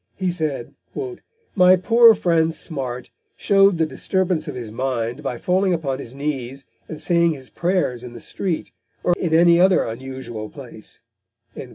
He said: "My poor friend Smart showed the disturbance of his mind by falling upon his knees and saying his prayers in the street, or in any other unusual place."